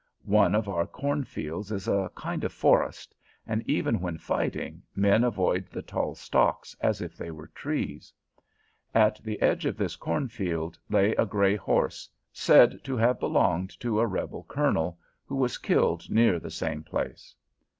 One of our cornfields is a kind of forest, and even when fighting, men avoid the tall stalks as if they were trees. At the edge of this cornfield lay a gray horse, said to have belonged to a Rebel colonel, who was killed near the same place.